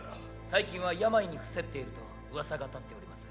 最近は病に臥せっていると噂が立っております。